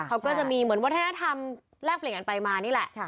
เขาก็จะมีเหมือนวัฒนธรรมแลกเปลี่ยนกันไปมานี่แหละ